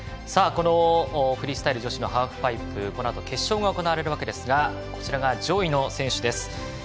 このフリースタイル女子ハーフパイプはこのあと決勝が行われますがこちらが上位の選手です。